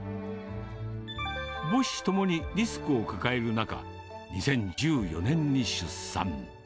母子ともにリスクを抱える中、２０１４年に出産。